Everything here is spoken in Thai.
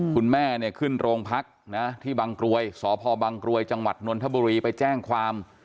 คุณแม่เนี่ยขึ้นโรงพักนะที่บางกรวยสพบังกรวยจังหวัดนนทบุรีไปแจ้งความ